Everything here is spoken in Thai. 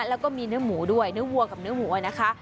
แล้วก็มีเนื้อหมูด้วยเนื้อวัวกับเนื้อวัวนะคะ